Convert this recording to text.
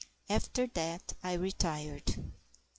After that I retired.